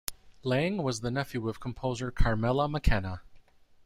Leng was the nephew of composer Carmela Mackenna.